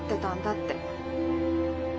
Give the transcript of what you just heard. って。